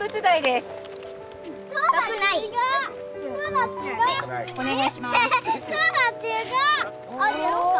すごい。